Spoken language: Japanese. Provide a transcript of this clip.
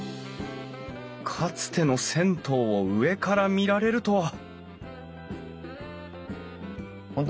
かつての銭湯を上から見られるとは！